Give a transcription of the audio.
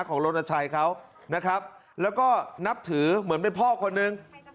รณชัยเขานะครับแล้วก็นับถือเหมือนเป็นพ่อคนนึง